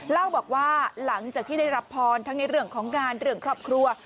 เล่าบอกว่าหลังจากที่ได้รับพรทั้งในเรื่องของงานเรื่องครอบครัว